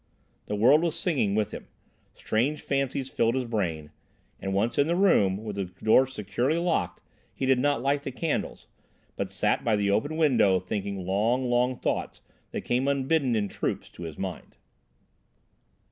The world was singing with him. Strange fancies filled his brain, and once in the room, with the door securely locked, he did not light the candles, but sat by the open window thinking long, long thoughts that came unbidden in troops to his mind.